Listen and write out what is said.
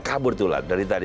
kabur tuh lah dari tadi